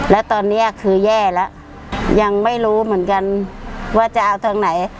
แล้วตอนนี้คือแย่แล้วยังไม่รู้เหมือนกันว่าจะเอาทางไหน